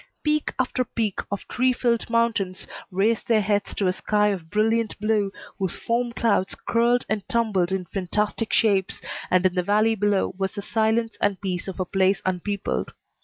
Peak after peak of tree filled mountains raised their heads to a sky of brilliant blue whose foam clouds curled and tumbled in fantastic shapes, and in the valley below was the silence and peace of a place unpeopled.